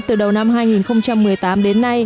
từ đầu năm hai nghìn một mươi tám đến nay